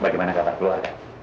bagaimana kabar keluar